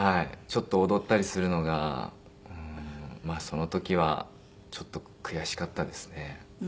ちょっと踊ったりするのがまあその時はちょっと悔しかったですね。